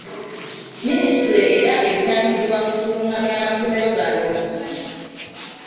Minisitule era evunaanyizibwa ku kulungamya amasomero gano.